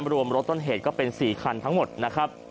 รวมรถต้นเหตุก็เป็น๔คันทั้งหมดนะครับ